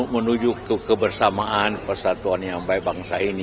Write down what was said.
menuju kebersamaan persatuan yang baik bangsa ini